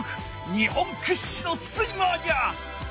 日本くっしのスイマーじゃ！